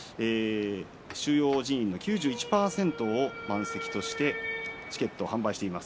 収容人員の９１％を満席としてチケットを販売しています。